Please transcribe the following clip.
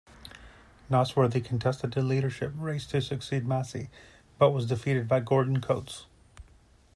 Nosworthy contested the leadership race to succeed Massey, but was defeated by Gordon Coates.